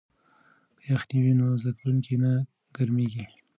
که یخنۍ وي نو زده کوونکی نه ګرمیږي.